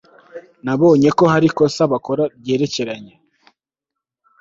Nabonye ko hari ikosa bakora ryerekeranye